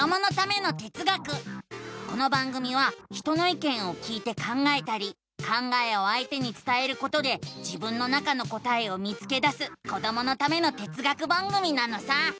この番組は人のいけんを聞いて考えたり考えをあいてにつたえることで自分の中の答えを見つけだすこどものための哲学番組なのさ！